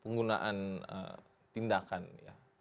penggunaan tindakan ya